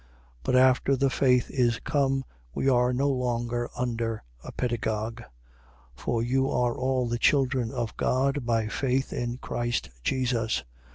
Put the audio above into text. But after the faith is come, we are no longer under a pedagogue. 3:26. For you are all the children of God, by faith in Christ Jesus.